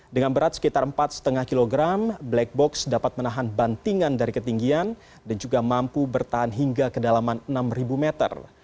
dengan berat sekitar empat lima kg black box dapat menahan bantingan dari ketinggian dan juga mampu bertahan hingga kedalaman enam meter